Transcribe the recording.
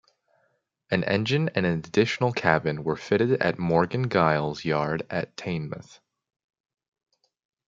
An engine and an additional cabin were fitted at Morgan Giles's yard at Teignmouth.